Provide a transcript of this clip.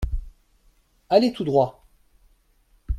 Allez tout droit !